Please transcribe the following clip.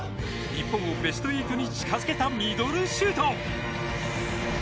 日本をベスト８に近付けたミドルシュート！